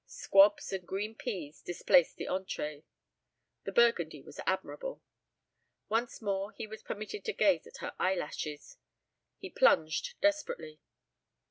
Squabs and green peas displaced the entree. The burgundy was admirable. Once more he was permitted to gaze at her eyelashes. He plunged desperately.